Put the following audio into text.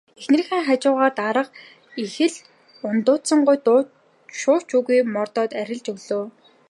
Эхнэрийнхээ хажуугаар дарга их л ундууцангуй дуу шуу ч үгүй мордоод арилж өглөө.